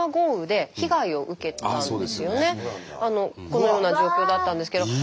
このような状況だったんですけど。